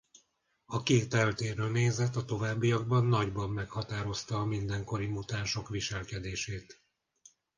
A két eltérő nézet a továbbiakban nagyban meghatározta a mindenkori mutánsok viselkedését.